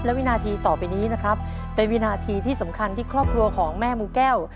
และวินาทีต่อไปนี้นะครับเป็นวินาทีที่สำคัญที่ครอบครัวของแม่มูแก้ว